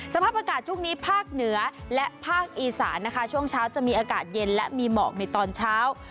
สภาพอากาศช่วงนี้ภาคเหนือและภาคอีสานนะคะช่วงเช้าจะมีอากาศเย็นและมีหมอกในตอนเช้า